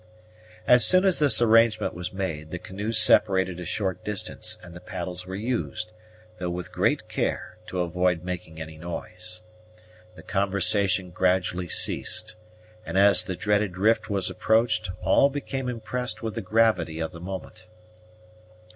As soon as this arrangement was made, the canoes separated a short distance, and the paddles were used, though with great care to avoid making any noise. The conversation gradually ceased; and as the dreaded rift was approached, all became impressed with the gravity of the moment.